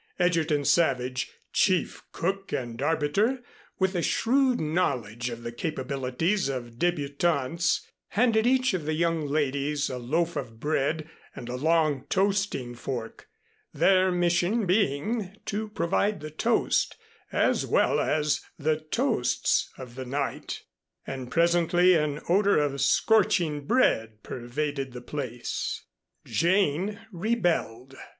Egerton Savage, chief cook and arbiter, with a shrewd knowledge of the capabilities of débutantes, handed each of the young ladies a loaf of bread and a long toasting fork, their mission being to provide the toast, as well as the toasts of the night; and presently an odor of scorching bread pervaded the place. Jane rebelled.